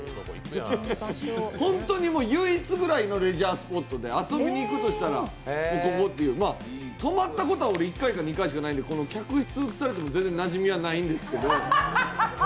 本当に唯一ぐらいのレジャースポットで遊びに行くとしたらここっていう泊まったことは１回か２回しかないんで客室を映されても全然なじみはないんですけど。